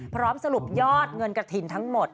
พร้อมสรุปยอดเงินกระถิ่นทั้งหมด